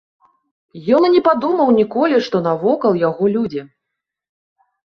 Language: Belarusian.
Ён і не падумаў ніколі, што навакол яго людзі.